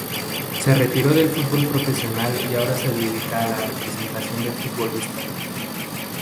Se retiró del fútbol profesional y ahora se dedica a la representación de futbolistas.